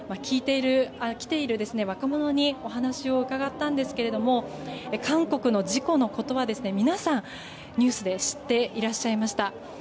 来ている若者にお話を伺ったんですけれども韓国の事故のことは皆さん、ニュースで知っていらっしゃいました。